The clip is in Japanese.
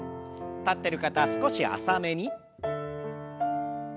立ってる方少し浅めに。